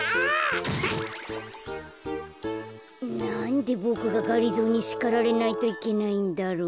・なんでボクががりぞーにしかられないといけないんだろう？